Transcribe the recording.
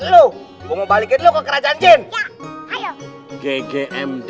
lo mau balikin lo ke kerajaan jin gg md